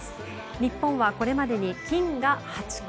日本は、これまで金が８個